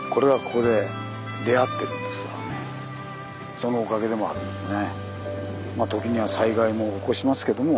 そのおかげでもあるんですね。